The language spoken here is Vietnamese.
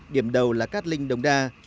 điểm đầu là cát linh đồng đa